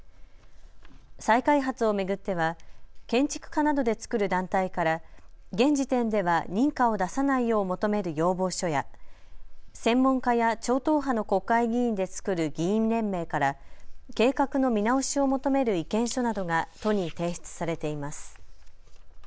再開発を巡っては建築家などで作る団体から現時点では認可を出さないよう求める要望書や専門家や超党派の国会議員で作る議員連盟から計画の見直しを求める意見書などが都に提出されています。